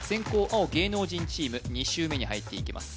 青芸能人チーム２周目に入っていきます